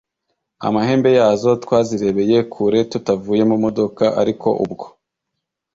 amahembe yazo. Twazirebeye kure tutavuye mu modoka, ariko ubwo